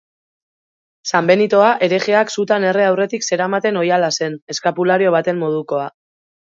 Sanbenitoa herejeak sutan erre aurretik zeramaten oihala zen, eskapulario baten modukoa.